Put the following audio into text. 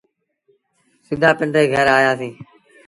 سڌآ پنڊري گھر آيآسيٚݩ۔